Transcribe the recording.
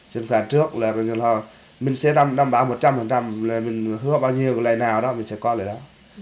chuyên khoản trước là mình sẽ đảm bảo một trăm linh là mình hứa bao nhiêu lệ nào đó mình sẽ có lệ đó